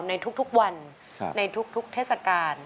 ในทุกวันในทุกเทศกาล